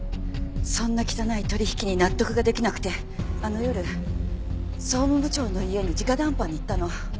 そんな汚い取引に納得ができなくてあの夜総務部長の家に直談判に行ったの。